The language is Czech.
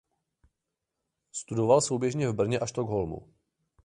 Studoval souběžně v Brně a Stockholmu.